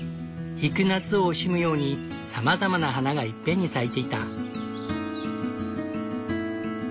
行く夏を惜しむようにさまざまな花がいっぺんに咲いていた。